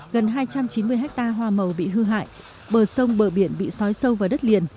gần hai trăm chín mươi ha hoa màu bị hư hại bờ sông bờ biển bị sói sâu vào đất liền